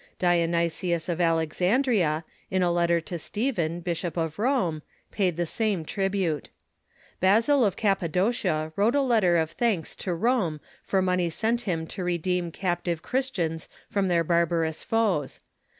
Dionysius of Alexandria, in a letter to Stephen, Bishop of Rome, paid the same tribute. Basil of Cappadocia wrote a letter of thanks to Rome for money sent him to re deem captive Christians from their barbarous foes.